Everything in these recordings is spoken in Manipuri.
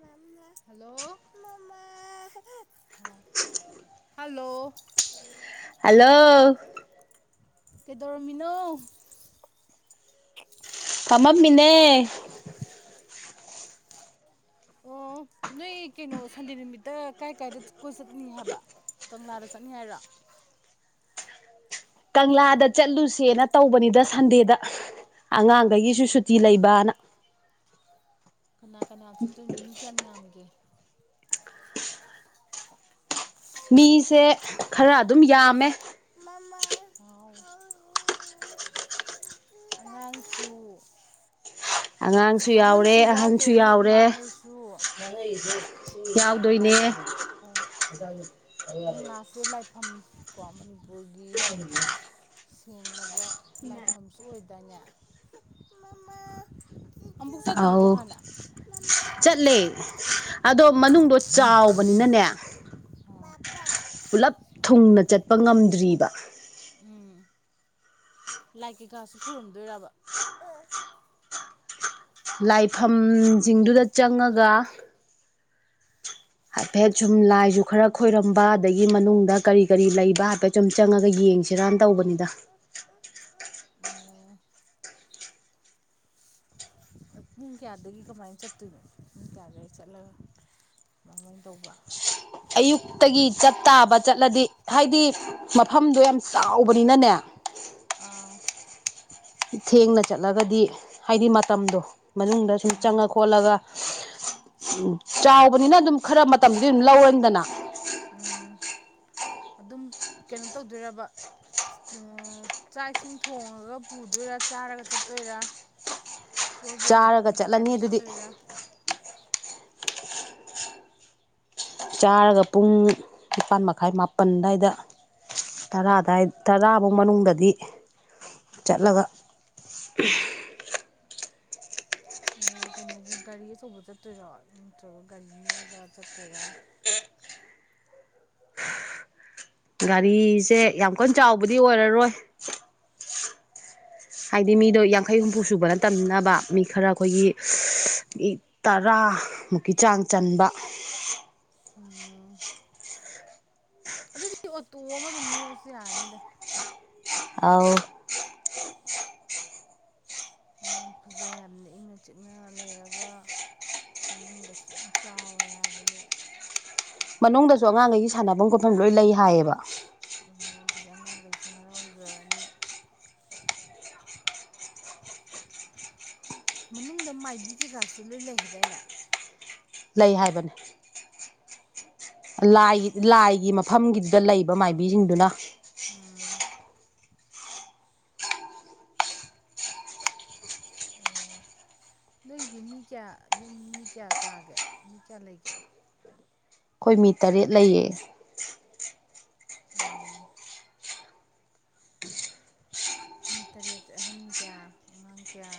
ꯃꯃꯥ ꯍꯜꯂꯣ ꯃꯃꯥ ꯍꯥꯎ ꯍꯜꯂꯣ ꯍꯜꯂꯣ ꯀꯩꯗꯧꯔꯝꯃꯤꯅꯣ ꯃꯝꯃꯤꯅꯦ ꯑꯣ ꯅꯣꯏ ꯀꯩꯅꯣ ꯁꯟꯗꯦ ꯅꯨꯃꯤꯠꯇ ꯀꯥꯏ ꯀꯥꯏꯗ ꯀꯣꯏ ꯆꯠꯅꯤ ꯍꯥꯏꯕ ꯀꯪꯂꯥꯗ ꯆꯠꯅꯤ ꯍꯥꯏꯔꯣ ꯀꯪꯂꯥꯗ ꯆꯠꯂꯨꯁꯦꯅ ꯇꯧꯕꯅꯤꯗ ꯁꯟꯗꯦꯗ ꯑꯉꯥꯡꯑꯩꯒꯤꯁꯨ ꯁꯨꯇꯤ ꯂꯩꯕꯥꯅ [inaudible] ꯀꯅꯥ ꯀꯅꯥ ꯆꯠꯇꯣꯏꯅꯣ ꯃꯤ ꯀꯌꯥꯝ ꯌꯥꯝꯒꯦ ꯃꯤꯁꯦ ꯈꯔ ꯑꯗꯨꯝ ꯌꯥꯝꯃꯦ ꯃꯃꯥ ꯍꯥꯎ [unintelligible] ꯑꯉꯥꯡꯁꯨ ꯑꯉꯥꯡꯁꯨ ꯌꯥꯎꯔꯦ ꯑꯍꯟꯁꯨ ꯑꯍꯟꯁꯨ ꯌꯥꯎꯗꯣꯏꯔꯣ ꯅꯣꯏ ꯌꯥꯎꯔꯦ ꯏꯃꯥꯍꯣꯏꯁꯨ ꯌꯥꯎꯗꯣꯏꯅꯦ ꯀꯪꯂꯥꯁꯦ ꯂꯥꯏꯐꯝ ꯀꯣ ꯃꯅꯤꯄꯨꯔꯒꯤ ꯁꯦꯡꯂꯕ ꯂꯥꯏꯐꯝꯁꯨ ꯑꯣꯏꯗꯥꯏꯅꯦ ꯃꯃꯥ ꯑꯝꯕꯨꯛ ꯆꯠꯇ꯭ꯔꯤꯕꯣ ꯑꯧ ꯍꯥꯟꯅ ꯆꯠꯂꯦ ꯑꯗꯣ ꯃꯅꯨꯡꯗꯣ ꯆꯥꯎꯕꯅꯤꯅꯅꯦ ꯍꯥ ꯄꯥꯄꯥ ꯄꯨꯂꯞ ꯊꯨꯡꯅ ꯆꯠꯄ ꯉꯝꯗ꯭ꯔꯤꯕ ꯎꯝ ꯂꯥꯏ ꯀꯩꯀꯥꯁꯨ ꯈꯨꯔꯨꯝꯗꯣꯏꯔꯕ ꯂꯥꯏꯐꯝꯁꯤꯡꯗꯨꯗ ꯆꯪꯉꯒ ꯍꯥꯏꯐꯦꯠ ꯁꯨꯝ ꯂꯥꯏꯖꯨ ꯈꯔ ꯈꯣꯏꯔꯝꯕ ꯑꯗꯒꯤ ꯃꯅꯨꯡꯗ ꯀꯔꯤ ꯀꯔꯤ ꯂꯩꯕ ꯍꯥꯏꯐꯦꯠ ꯁꯨꯝ ꯆꯪꯉꯒ ꯌꯦꯡꯖꯦ [unintelligible] ꯐꯤꯔꯥꯟ ꯇꯧꯕꯅꯤꯗ ꯎꯝ ꯄꯨꯡ ꯀꯌꯥꯗꯒꯤ ꯀꯃꯥꯏꯅ ꯆꯠꯇꯣꯏꯅꯣ ꯄꯨꯡ ꯀꯌꯥꯗꯥꯏꯗ ꯆꯠꯂꯒ [unintelligible] ꯃꯥꯏꯃꯥꯏ ꯇꯧꯕ ꯑꯌꯨꯛꯇꯒꯤ ꯆꯠ ꯇꯥꯕ ꯆꯠꯂꯗꯤ ꯍꯥꯏꯗꯤ ꯃꯞ ꯐꯝꯗꯣ ꯌꯥꯝ ꯆꯥꯎꯕꯅꯤꯅꯅꯦ ꯑꯥ ꯊꯦꯡꯅ ꯆꯠꯂꯒꯗꯤ ꯍꯥꯏꯗꯤ ꯃꯇꯝꯗꯣ ꯃꯅꯨꯡꯗ ꯁꯨꯝ ꯎꯝ ꯆꯪꯉ ꯈꯣꯠꯂꯒ ꯎꯝ ꯆꯥꯎꯕꯅꯤꯅ ꯑꯗꯨꯝ ꯈꯔ ꯃꯇꯝꯗꯤ ꯑꯗꯨꯝ ꯂꯧꯔꯅꯤꯗꯅ ꯎꯝ ꯑꯗꯨꯝ ꯀꯩꯅꯣ ꯇꯧꯗꯣꯏꯔꯕ ꯑ ꯆꯥꯛ ꯏꯁꯤꯡ ꯊꯣꯡꯉꯒ ꯄꯨꯗꯣꯏꯔꯥ ꯆꯥꯔꯒ ꯆꯠꯇꯣꯏꯔꯥ [inaudible] ꯆꯥꯔꯒ ꯄꯤꯛꯅꯤꯛꯀꯤ ꯆꯠꯂꯅꯤ ꯇꯥꯏꯞꯇ ꯑꯗꯨꯗꯤ ꯆꯠꯇꯣꯏꯔꯥ ꯆꯥꯔꯒ ꯄꯨꯡ ꯅꯤꯄꯥꯟ ꯃꯈꯥꯏ ꯃꯥꯄꯟ ꯑꯗꯥꯏꯗ ꯇꯔꯥ ꯑꯗꯥꯏ ꯇꯔꯥꯕꯧ ꯃꯅꯨꯡꯗꯗꯤ ꯆꯠꯂꯒ ꯑꯣ ꯀꯩꯅꯣꯒꯨꯝ ꯒꯥꯔꯤ ꯑꯆꯧꯕ ꯆꯠꯇꯣꯏꯔꯣ ꯅꯠꯇ꯭ꯔꯒ ꯒꯥꯔꯤ ꯅꯦꯛꯑꯒ ꯆꯠꯇꯣꯏꯔ [inaudible] ꯒꯥꯔꯤꯁꯦ ꯌꯥꯝ ꯀꯟ ꯆꯥꯎꯕꯗꯤ ꯑꯣꯏꯔꯔꯣꯏ ꯍꯥꯏꯗꯤ ꯃꯤꯗꯣ ꯌꯥꯡꯈꯩ ꯍꯨꯝꯐꯨ ꯁꯨꯕ ꯅꯇꯝꯅꯤꯅꯕꯥ ꯃꯤ ꯈꯔ ꯑꯩꯈꯣꯏꯒꯤ ꯃꯤ ꯇꯔꯥꯃꯨꯛꯀꯤ ꯆꯥꯡ ꯆꯟꯕ ꯑꯣ ꯑꯗꯨꯗꯤ ꯑꯣꯇꯣ ꯑꯃ ꯑꯗꯨꯝ ꯅꯦꯛꯑꯁꯨ ꯌꯥꯔꯅꯤꯗ ꯑꯥꯎ ꯑ ꯐꯖꯩ ꯍꯥꯏꯕꯅꯦ ꯏꯪꯅ ꯆꯤꯛꯅ ꯂꯩꯔꯒ ꯃꯅꯨꯡꯗꯁꯨ ꯌꯥꯝ ꯆꯥꯎꯋꯦ ꯍꯥꯏꯕꯅꯤ ꯃꯅꯨꯡꯗꯁꯨ ꯑꯉꯥꯡꯒꯩꯒꯤ ꯁꯥꯟꯅꯕꯝ ꯈꯣꯠꯐꯝ ꯂꯣꯏ ꯂꯩ ꯍꯥꯏꯌꯦꯕ ꯑꯗꯨꯗꯤ ꯑꯉꯥꯡꯈꯩꯁꯨ ꯍꯔꯥꯎꯖꯔꯅꯤ ꯃꯅꯨꯡꯗ ꯃꯥꯏꯕꯤ ꯀꯩꯀꯥꯁꯨ ꯂꯣꯏ ꯂꯩ ꯍꯥꯏꯗꯥꯏꯅꯦ ꯂꯩ ꯍꯥꯏꯕꯅꯤ ꯂꯥꯏꯒꯤ ꯂꯥꯏꯒꯤ ꯃꯐꯝꯒꯤꯗ ꯂꯩꯕ ꯃꯥꯏꯕꯤꯁꯤꯡꯗꯨꯅ ꯎꯝ ꯎꯝ ꯅꯣꯏꯒꯤꯗꯤ ꯃꯤ ꯀꯌꯥ ꯌꯨꯝ ꯃꯤ ꯀꯌꯥ ꯆꯥꯒꯦ ꯃꯤ ꯀꯌꯥ ꯂꯩꯒꯦ ꯑꯩꯈꯣꯏ ꯃꯤ ꯇꯔꯦꯠ ꯂꯩꯌꯦ ꯎꯝ ꯃꯤ ꯇꯔꯦꯠ ꯑꯍꯟ ꯀꯌꯥ ꯑꯉꯥꯡ ꯀꯌꯥ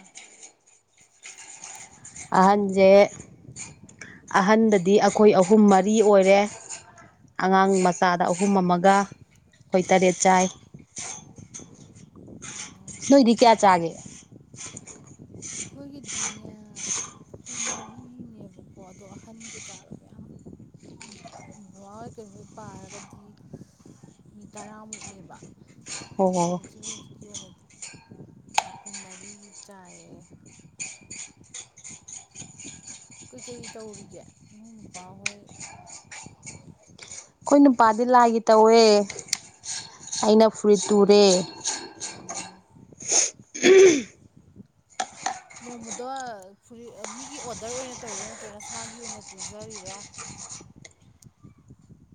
ꯑꯍꯟꯁꯦ ꯑꯍꯟꯗꯗꯤ ꯑꯩꯈꯣꯏ ꯑꯍꯨꯝ ꯃꯔꯤ ꯑꯣꯏꯔꯦ ꯑꯉꯥꯡ ꯃꯆꯥꯗ ꯑꯍꯨꯝ ꯑꯃꯒ ꯑꯩꯈꯣꯏ ꯇꯔꯦꯠ ꯆꯥꯏ ꯅꯣꯏꯗꯤ ꯀꯌꯥ ꯆꯥꯒꯦ ꯑꯩꯈꯣꯏꯒꯤꯗꯤꯅꯦ ꯑꯩꯈꯣꯏ ꯃꯔꯤꯅꯦꯕ ꯑꯣ ꯑꯗ ꯑꯩꯈꯥꯟ ꯀ ꯀꯥꯃꯦ ꯕꯕꯥ ꯍꯣꯏ ꯀꯩꯍꯣꯏ ꯄꯥꯔꯒꯗꯤ ꯃꯤ ꯇꯔꯥꯃꯨꯛꯅꯦꯕ ꯑꯣ ꯑꯩꯈꯣꯏ ꯍꯧꯖꯤꯀꯤꯅꯦꯗꯤ ꯑꯗꯨꯈꯣꯏ ꯃ ꯆꯥꯏ ꯀꯩꯀꯩ ꯇꯧꯔꯤꯒꯦ ꯏ ꯅꯨꯄꯥꯍꯣꯏ ꯑꯩꯈꯣꯏ ꯅꯨꯄꯥꯗꯤ ꯂꯥꯏꯒꯤ ꯇꯧꯋꯦ ꯑꯩꯅ ꯐꯨꯔꯤ ꯇꯨꯔꯦ [unintelligible] ꯅꯣꯡꯃꯗꯣ ꯐꯨꯔꯤꯠ ꯃꯤꯒꯤ ꯑꯣꯗꯔ ꯑꯣꯏꯅ ꯇꯧꯔꯤꯔꯣ ꯅꯠꯇ꯭ꯔꯒꯅ ꯁꯥꯒꯤ ꯑꯣꯏꯅ ꯇꯨꯖꯔꯤꯔꯥ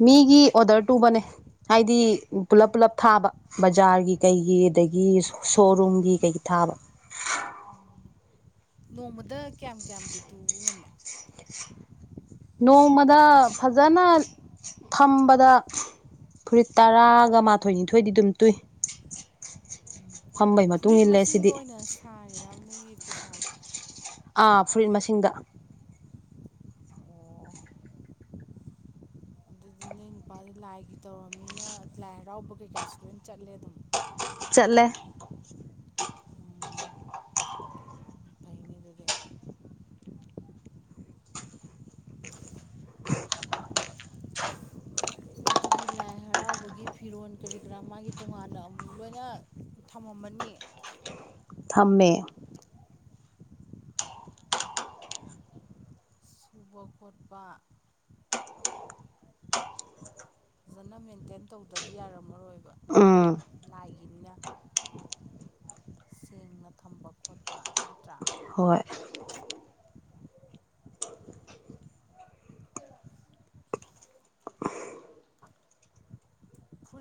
ꯃꯤꯒꯤ ꯑꯣꯗꯔ ꯇꯨꯕꯅꯦ ꯍꯥꯏꯗꯤ ꯄꯨꯂꯞ ꯄꯨꯂꯞ ꯊꯥꯕ ꯕꯖꯥꯔꯒꯤ ꯀꯩꯒꯤ ꯑꯗꯒꯤ ꯁꯣꯔꯨꯝꯒꯤ ꯀꯩ ꯊꯥꯕ ꯎꯝ ꯅꯣꯡꯃꯗ ꯀꯌꯥꯝ ꯀꯌꯥꯝꯗꯤ ꯇꯨꯕ ꯉꯝꯃꯦ ꯅꯣꯡꯃꯗ ꯐꯖꯅ ꯄꯝꯕꯗ ꯐꯨꯔꯤꯠ ꯇꯔꯥꯒ ꯃꯥꯊꯣꯏꯅꯤꯊꯣꯏꯗꯤ ꯑꯗꯨꯝ ꯇꯨꯏ ꯐꯝꯕꯩ ꯃꯇꯨꯡ ꯐꯨꯔꯤꯠ ꯏꯜꯂꯦ ꯃꯁꯤꯡꯗ ꯁꯤꯗꯤ ꯑꯣꯏꯅ ꯁꯥꯔꯤꯔꯥ ꯅꯣꯏꯒꯤ ꯄꯩꯁꯥꯁꯦ ꯑꯥ ꯐꯨꯔꯤꯠ ꯃꯁꯤꯡꯗ ꯑꯣ ꯑꯩ ꯅꯨꯄꯥꯗꯤ ꯂꯥꯏꯒꯤ ꯇꯧꯔꯕꯅꯤꯅ ꯂꯥꯏ ꯍꯔꯥꯎꯕ ꯀꯩꯀꯥꯁꯨ ꯂꯣꯏ ꯆꯠꯂꯦ ꯑꯗꯨꯝ ꯑꯂꯦ ꯎꯝ ꯐꯩꯅꯦ ꯑꯗꯨꯗꯤ ꯑꯗꯨꯗꯤ ꯂꯥꯏ ꯍꯔꯥꯎꯕꯒꯤ ꯐꯤꯔꯣꯜ ꯀꯔꯤ ꯀꯔꯥ ꯃꯥꯒꯤ ꯇꯣꯉꯥꯟꯅ ꯑꯃꯨꯛ ꯂꯣꯏꯅ ꯊꯝꯃꯝꯃꯅꯤ [unintelligible] ꯊꯝꯃꯦ ꯄꯈꯠꯄ ꯐꯖꯅ ꯃꯦꯟꯇꯦꯟ ꯇꯧꯗ꯭ꯔꯗꯤ ꯌꯥꯔꯝꯃꯔꯣꯏꯕ ꯎꯝ ꯂꯥꯏꯒꯤꯅꯤꯅ ꯁꯦꯡꯅ ꯊꯝꯕ ꯈꯣꯠꯄ ꯅꯠꯇ꯭ꯔꯥ ꯍꯣꯏ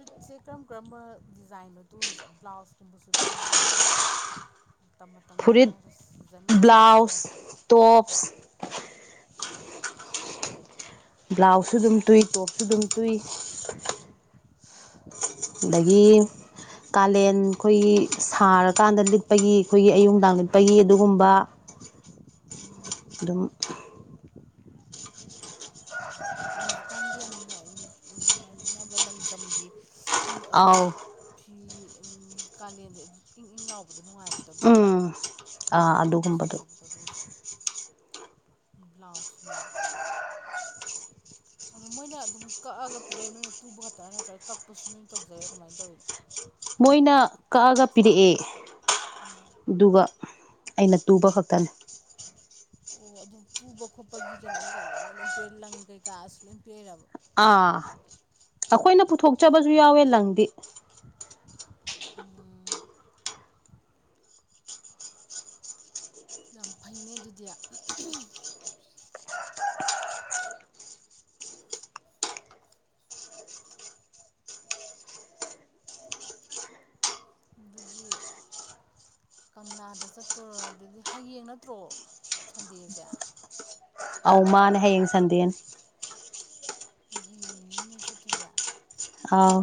ꯁꯨꯠꯁꯦ ꯀꯔꯝ ꯀꯔꯝꯕ ꯗꯤꯖꯥꯏꯟꯣ ꯇꯨꯔꯤꯁꯦ ꯕ꯭ꯂꯥꯎꯁꯀꯨꯝꯕꯁꯨ ꯇꯨꯕ꯭ꯔꯥ ꯃꯇꯝ ꯃꯇꯝꯒꯤꯔ ꯐꯨꯔꯤꯠ ꯁꯤꯖꯟ ꯅꯥꯏꯕ꯭ꯔꯥ ꯀꯃꯥꯏ ꯀꯃꯥꯏꯅ ꯕ꯭ꯂꯥꯎꯁ ꯇꯧꯒꯦ ꯇꯣꯞꯁ ꯕ꯭ꯂꯥꯎꯁꯁꯨ ꯑꯗꯨꯝ ꯇꯨꯏ ꯇꯣꯞꯁꯨ ꯑꯗꯨꯝ ꯇꯨꯏ ꯗꯒꯤ ꯀꯥꯂꯦꯟ ꯑꯩꯈꯣꯏꯒꯤ ꯁꯥꯔꯀꯥꯟꯗ ꯂꯤꯠꯄꯒꯤ ꯑꯩꯈꯣꯏꯒꯤ ꯑꯌꯨꯗꯥꯡ ꯂꯤꯠꯄꯒꯤ ꯑꯗꯨꯒꯨꯝꯕ ꯎꯝ ꯑꯗꯨꯝ ꯍꯧꯖꯤꯛꯀꯥꯟꯒꯤ ꯌꯥꯝ ꯂꯤꯅꯤꯛꯅꯕ ꯂꯪꯗꯝꯝꯒꯤ ꯪ ꯑꯥꯎ ꯐꯤ ꯀꯥꯂꯦꯟꯗ ꯏꯪ ꯏꯪ ꯂꯥꯎꯕꯗꯣ ꯑꯗꯨ ꯅꯨꯡꯉꯥꯏꯕꯗꯣ ꯂꯤꯠꯄ ꯎꯝ ꯑꯣ ꯑꯥ ꯑꯗꯨꯒꯨꯝꯕꯗꯣ ꯑꯗꯨꯝꯕꯁꯨꯅꯦꯕꯀꯣ ꯑꯗꯨꯏꯁꯦ ꯕ꯭ꯂꯥꯎꯖꯁꯨꯅꯦꯕ ꯑꯗꯣ ꯃꯣꯏꯅ ꯑꯗꯨꯝ ꯀꯛꯑꯒ ꯄꯤꯔꯛꯏꯦ ꯅꯣꯏꯅ ꯇꯨꯕ ꯈꯛꯇꯅꯥ ꯅꯠꯇ꯭ꯔꯒ ꯀꯛꯄꯁꯨ ꯅꯣꯏꯅ ꯇꯧꯖꯩꯔꯥ ꯀꯃꯥꯏꯅ ꯇꯧꯋꯤꯅꯣ ꯃꯣꯏꯅ ꯀꯛꯑꯒ ꯄꯤꯔꯛꯑꯦ ꯑꯗꯨꯒ ꯑꯩꯅ ꯇꯨꯕ ꯈꯛꯇꯅꯤ ꯑꯣ ꯑꯗꯨ ꯇꯨꯕ ꯈꯣꯠꯄꯒꯤ ꯀꯩꯅꯣ ꯑꯣꯏꯇꯥꯥꯟꯗꯗꯤ ꯃꯣꯏ ꯂꯣꯏ ꯄꯦ ꯂꯪ ꯀꯩꯀꯥꯁꯨ ꯂꯣꯏ ꯄꯦꯜꯑꯦꯕ ꯑꯥ ꯑꯩꯈꯣꯏꯅ ꯄꯨꯊꯣꯛꯆꯕꯁꯨ ꯌꯥꯎꯋꯦ ꯂꯪꯗꯤ ꯎꯝ ꯌꯥꯝ ꯐꯩꯅꯦ ꯑꯗꯨꯗꯤ ꯕꯨꯗꯤ ꯀꯪꯂꯥꯗ ꯆꯠꯇꯣꯔ ꯑꯗꯨꯗꯤ ꯍꯌꯦꯡ ꯅꯠꯇ꯭ꯔꯣ ꯁꯟꯗꯦꯁꯦ ꯑꯧ ꯃꯥꯅꯦ ꯍꯌꯦꯡ ꯁꯟꯗꯦꯟ ꯌꯦ ꯆ ꯇꯨꯖ ꯑꯥꯎ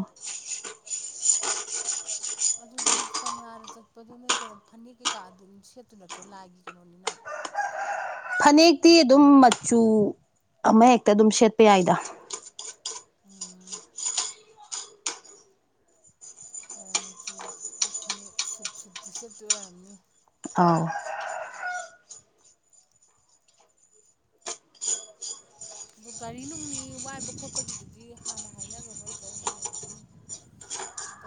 ꯑꯗꯨꯗꯤ ꯀꯪꯂꯥꯗ ꯆꯠꯄꯗꯨ ꯅ ꯀꯩꯅꯣ ꯐꯅꯦꯛ ꯀꯩꯀꯥ ꯑꯗꯨꯝ ꯁꯦꯠꯇꯨ ꯅꯠꯇ꯭ꯔꯣ ꯂꯥꯏꯒꯤ ꯀꯩꯅꯣꯅꯤꯅ [unintelligible] ꯐꯅꯦꯛꯇꯤ ꯑꯗꯨꯝ ꯃꯆꯨ ꯑꯃꯍꯦꯛꯇ ꯑꯗꯨꯝ ꯁꯦꯠꯄ ꯌꯥꯏꯗ ꯎꯝ ꯑꯣ ꯃꯆꯨ ꯐꯅꯦꯛ ꯁꯨꯠꯇꯤ ꯁꯦꯠꯇꯣꯏ ꯑꯣꯏꯔꯝꯅꯤ ꯑꯝ ꯑꯗꯣ ꯒꯥꯔꯤ ꯅꯨꯡꯅꯤ ꯋꯥꯏꯕ ꯈꯣꯠꯄꯒꯤꯗꯨꯗꯤ ꯍꯥꯟꯅ ꯍꯥꯏꯅ꯭ꯔꯔꯕ ꯅꯠꯇ꯭ꯔꯣ ꯍꯌꯦꯡ ꯑꯗꯨꯝ [inaudible]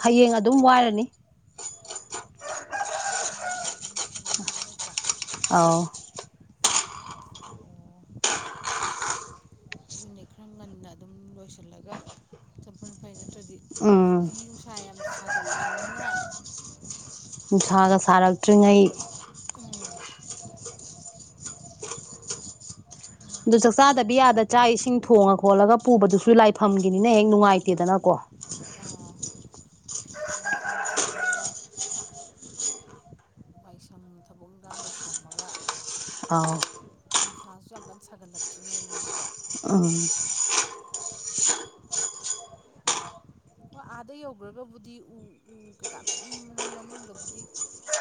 ꯍꯌꯦꯡ ꯑꯗꯨꯝ ꯋꯥꯏꯔꯅꯤ ꯑꯦ ꯑꯗꯨꯝ ꯉꯥꯏꯗꯤ ꯑꯗꯨꯝ ꯐꯪꯕ ꯅꯠꯇ꯭ꯔꯥ ꯑꯥꯎ ꯑꯣ ꯑꯗꯨꯅꯦ ꯈꯔ ꯉꯟꯅ ꯑꯗꯨꯝ ꯂꯣꯏꯁꯤꯜꯂꯒ ꯆꯝꯐꯜꯄꯥꯏ ꯅꯠꯇ꯭ꯔ ꯑ ꯐꯒꯠꯂꯝꯅꯤꯅ ꯅꯨꯡꯁꯥꯒ ꯁꯥꯔꯛꯇ꯭ꯔꯤꯉꯩ ꯎꯝ ꯑꯗꯨ ꯉꯟꯅ ꯈꯔ ꯆꯥꯛꯆꯥꯥꯗꯕꯤ ꯌꯥꯗ ꯆꯥꯛ ꯏꯁꯤꯡ ꯊꯣꯡꯉ ꯈꯣꯠꯂꯒ ꯄꯨꯕꯗꯨꯁꯨ ꯂꯥꯏꯐꯝꯒꯤꯅꯤꯅ ꯍꯦꯛ ꯅꯨꯡꯉꯥꯏꯇꯦꯗꯅꯀꯣ ꯑꯥ ꯆꯥꯛ ꯏꯁꯤꯡ ꯆꯥꯔꯒ ꯃꯕꯥꯥꯏ ꯁꯪꯅ ꯊꯕꯛ ꯏꯟꯈꯥꯡ ꯂꯣꯏꯁꯤꯜꯂꯝꯃꯒ ꯑꯥꯎ ꯅꯨꯡꯁꯥꯁꯨ ꯌꯥꯝ ꯀꯟꯅ ꯁꯥꯒꯠꯂꯛꯇ꯭ꯔꯤꯉꯩꯒꯤꯗꯨꯗ ꯑꯝ ꯑꯣ ꯑꯥꯗ ꯌꯧꯈ꯭ꯔꯒꯕꯨꯗꯤ ꯎ ꯎ ꯀꯩꯀꯥ ꯃꯌꯥꯝ ꯃꯅꯨꯡꯗꯕꯨꯗꯤ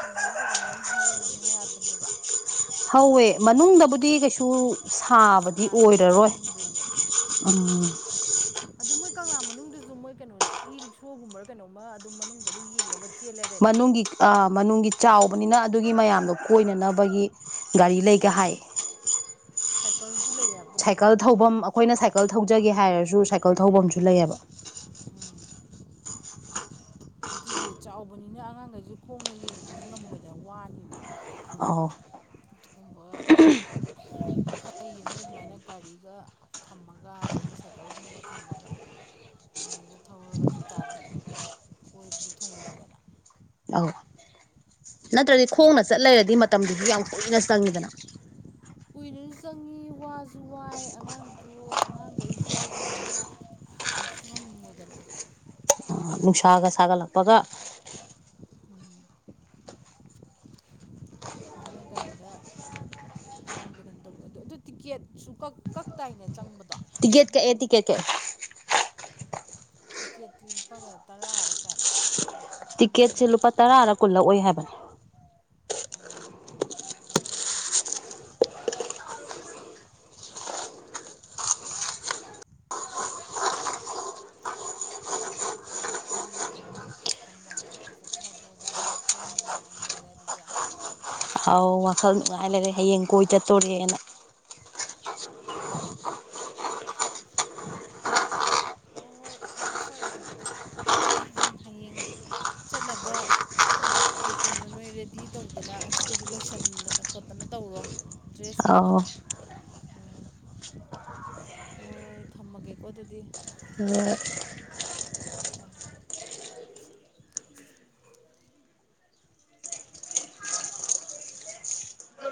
ꯎ ꯋꯥ ꯀꯩꯀꯥ ꯃꯌꯥꯝ ꯍꯧꯋꯦ ꯍꯥꯏꯕꯅꯦꯕ ꯍꯧꯋꯦ ꯑꯗꯨꯅ ꯃꯅꯨꯡꯗꯕꯨꯗꯤ ꯀꯩꯁꯨ ꯁꯥꯕꯗꯤ ꯁꯥꯔꯣꯏꯕ ꯑꯣꯏꯔꯔꯣꯏ ꯏꯪꯗꯣꯏꯅꯦꯕ ꯎꯝ ꯑꯗꯨ ꯃꯣꯏ ꯀꯪꯂꯥ ꯃꯅꯨꯡꯗꯨꯁꯨ ꯃꯣꯏ ꯀꯩꯅꯣꯁꯦ ꯏ ꯔꯤꯛꯁꯣꯒꯨꯝꯕ ꯀꯩꯅꯣꯝꯃ ꯑꯗꯨ ꯃꯅꯨꯡꯗ ꯑꯗꯨꯝ ꯌꯦꯡꯅꯕ ꯆꯦꯜ ꯂꯩꯔꯦꯅꯦ ꯃꯅꯨꯡꯒꯤ ꯑꯥ ꯃꯅꯨꯒꯤ ꯆꯥꯎꯕꯅꯤꯅ ꯑꯗꯨꯒꯤ ꯃꯌꯥꯝꯗꯣ ꯀꯣꯏꯅꯅꯕꯒꯤ ꯒꯥꯔꯤ ꯂꯩꯒ ꯍꯥꯏ ꯁꯥꯏꯀꯜ ꯁꯥꯏꯀꯜ ꯊꯧꯐꯝ ꯑꯩꯈꯣꯏꯅ ꯁꯥꯏꯀꯜ ꯊꯧ ꯆꯠꯆꯒꯦ ꯍꯥꯏꯔꯁꯨ ꯁꯥꯏꯀꯜ ꯊꯧꯕꯐꯝ ꯑꯃꯁꯨ ꯂꯩꯌꯦꯕ ꯎꯝ ꯑꯗꯨꯅꯦ ꯆꯥꯎꯕꯅꯤꯅ ꯑꯉꯥꯡꯈꯩꯁꯨ ꯈꯣꯡꯅ ꯌꯦꯡꯕꯗꯤ ꯉꯝꯕꯗꯅ ꯋꯥꯅꯤꯕ ꯑ ꯑꯗꯨꯒꯨꯝꯕ ꯐ ꯑꯩꯌꯦ ꯃꯣꯏ ꯑꯗꯨꯃꯥꯏꯅ ꯒꯥꯔꯤꯒ ꯊꯝꯃꯒ ꯑꯗꯒꯤ ꯁꯥꯏꯀꯜꯒꯨꯝꯕ ꯊꯝꯃꯒ ꯌꯦꯡꯉ ꯊꯧꯔꯒ ꯑꯗꯨ ꯑꯣꯏꯇꯥꯔꯗꯤ ꯀꯣꯏꯕꯗꯣ ꯊꯨꯡꯉꯦꯗꯅ ꯑꯧ ꯅꯠꯇ꯭ꯔꯗꯤ ꯈꯣꯡꯅ ꯆꯠ ꯂꯩꯔꯗꯤ ꯃꯇꯝꯗꯨꯁꯨ ꯌꯥꯝ ꯀꯨꯏꯅ ꯆꯪꯉꯤꯗꯅ ꯀꯨꯏꯅꯁꯨ ꯆꯪꯉꯤ ꯋꯥꯁꯨ ꯋꯥꯏ ꯑꯉꯥꯡꯗ ꯑꯉꯥꯡꯈꯩꯁꯨ ꯌꯥꯎꯗꯣꯏꯅꯤꯅ ꯀꯨꯝꯁꯨ ꯀꯝ ꯃꯣꯏꯗ ꯅꯨꯡꯁꯥꯒ ꯁꯥꯒꯠꯂꯛꯄꯒ ꯑꯗꯨꯃꯥꯏꯅ ꯒꯥꯔꯤꯗ ꯃꯅꯨꯡꯗ ꯀꯩꯅꯣ ꯇꯧꯕꯗ ꯑꯗꯨ ꯑꯗꯨ ꯇꯤꯛꯀꯦꯠꯁꯨ ꯀ ꯀꯛꯛꯇꯥꯏꯅꯦ ꯆꯪꯕꯗꯣ ꯇꯀꯦꯠ ꯀ ꯃꯅꯨꯡ ꯑꯦ ꯆꯪꯕꯗꯣ ꯇꯤꯀꯦꯠ ꯀꯦ ꯇꯤ ꯀꯦꯠꯇꯄꯥꯒꯦ ꯇꯔ ꯍꯥꯏꯔ ꯀꯅ ꯇꯤꯛꯀꯦꯠꯁꯦ ꯂꯨꯄꯥ ꯇꯔꯥꯔ ꯀꯨꯜꯂꯛꯑꯣꯏ ꯍꯥꯏꯕꯅꯤ ꯑꯣ ꯌꯥꯝꯗꯦꯅꯦ ꯑꯗꯨꯗꯤ ꯑꯩꯈꯣꯏ ꯆꯠꯊꯗꯣꯔꯦ ꯋꯥꯈꯜ ꯅꯨꯡꯉꯥꯏꯅ ꯂꯩꯔꯦ ꯑꯗꯨꯗꯤ ꯑꯥꯎ ꯋꯥꯈꯜ ꯅꯨꯡꯉꯥꯏ ꯂꯩꯔꯦ ꯍꯌꯦꯡ ꯀꯣꯏ ꯆꯠꯇꯣꯣꯔꯦꯅ ꯍꯣꯏ ꯍꯣꯏ ꯐꯔꯦ ꯐꯔꯦ ꯑꯗꯨꯗꯤ ꯍꯌꯦꯡ ꯆꯠꯅꯕ ꯀꯩ ꯀꯩꯅꯣ ꯅꯣꯏ ꯔꯦꯗꯤ ꯇꯧꯗꯅ ꯉꯁꯤꯗꯒꯤ ꯂꯣꯏꯁꯤꯟꯗꯅ ꯈꯣꯠꯇꯅ ꯇꯧꯔꯣ ꯗ꯭ꯔꯦꯁ ꯑꯧ ꯅꯨꯡꯕꯗꯣ ꯍꯣꯏ ꯊꯝꯃꯒꯦꯀꯣ ꯑꯗꯨꯗꯤ ꯑ ꯊꯝꯃꯦ ꯊꯝꯃꯦ